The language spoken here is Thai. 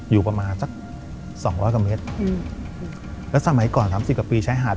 อยู่ประมาณสักสองร้อยกว่าเมตรอืมแล้วสมัยก่อนสามสิบกว่าปีใช้หาด